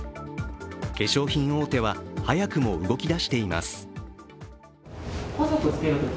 化粧品大手は早くも動きだしています。